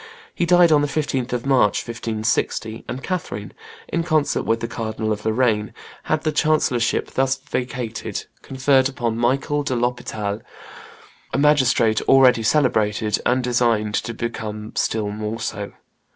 He died on the 15th of March, 1560; and Catherine, in concert with the Cardinal of Lorraine, had the chancellorship thus vacated conferred upon Michael de l'Hospital, a magistrate already celebrated, and destined to become still more so.